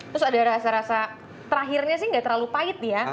terus ada rasa rasa terakhirnya sih nggak terlalu pahit nih ya